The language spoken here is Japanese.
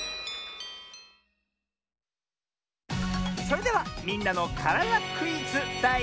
それでは「みんなのからだクイズ」だい３もん！